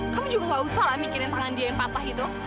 kamu juga gak usah lah mikirin tangan dia yang patah itu